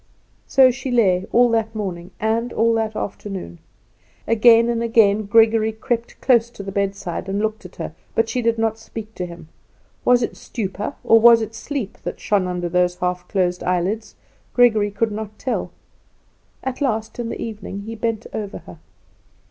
So she lay all that morning, and all that afternoon. Again and again Gregory crept close to the bedside and looked at her; but she did not speak to him. Was it stupor or was it sleep that shone under those half closed eyelids. Gregory could not tell. At last in the evening he bent over her.